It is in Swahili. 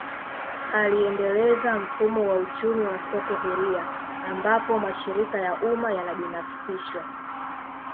Aliendeleza mfumo wa uchumi wa soko huria ambapo mashirika ya umma yanabinafsishwa